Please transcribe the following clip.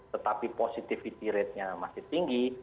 tetapi positivity ratenya masih tinggi